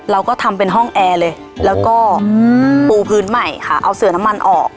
เราก็ทำเป็นห้องแอร์เลยแล้วก็ปูพื้นใหม่ค่ะเอาเสือน้ำมันออก